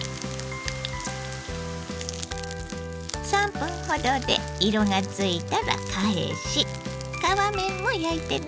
３分ほどで色がついたら返し皮面も焼いてね。